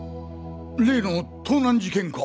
例の盗難事件か！？